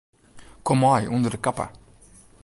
Kom mei ûnder de kappe.